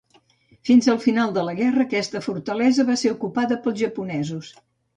Fins al final de la guerra, aquesta fortalesa va estar ocupada pels japonesos.